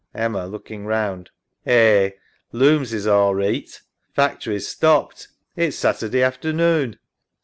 EMMA {looking round). Eh, looms is all reeght. Factory's stopped. It's Saturday afternoon.